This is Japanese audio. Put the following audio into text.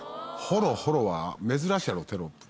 「ホロホロ」は珍しいやろテロップ。